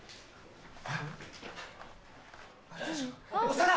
長田！